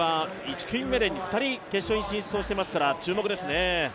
スペイン勢は１組目で２人決勝に進出していますから注目ですね。